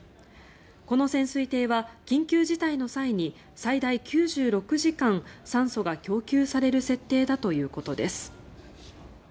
この潜水艇は緊急事態の際に最大９６時間酸素が供給される設定だということです。